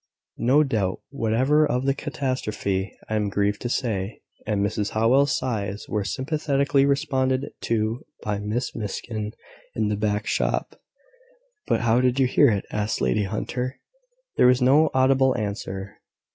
No doubt whatever of the catastrophe, I am grieved to say." And Mrs Howell's sighs were sympathetically responded to by Miss Miskin in the back shop. "But how did you hear it?" asked Lady Hunter. There was no audible answer.